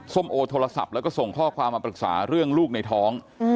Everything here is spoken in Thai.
โอโทรศัพท์แล้วก็ส่งข้อความมาปรึกษาเรื่องลูกในท้อง